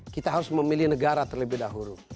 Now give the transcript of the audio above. kita harus memilih negara terlebih dahulu